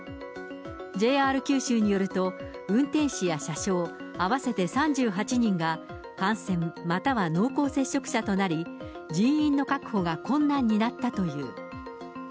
ＪＲ九州によると、運転士や車掌、合わせて３８人が感染または濃厚接触者となり、人員の確保が困難になったという。